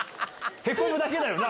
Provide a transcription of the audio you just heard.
ヘコむだけだよな？